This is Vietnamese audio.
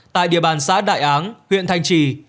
tại địa bàn xã đại áng huyện thanh trì